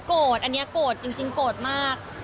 อันนี้โกรธจริงโกรธมาก